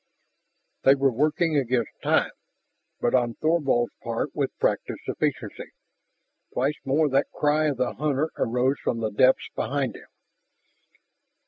They were working against time, but on Thorvald's part with practiced efficiency. Twice more that cry of the hunter arose from the depths behind them.